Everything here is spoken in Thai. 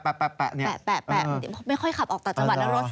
ไม่ค่อยขับไปจากจังหวัดตามรถ